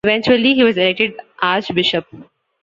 Eventually he was elected archbishop.